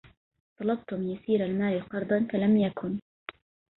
طلبتم يسير المال قرضا فلم يكن